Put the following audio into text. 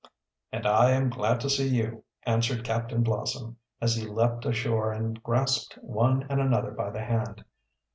"And I am glad to see you," answered Captain Blossom, as he leaped ashore and grasped one and another by the hand.